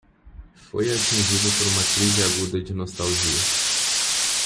Foi atingido por uma crise aguda de nostalgia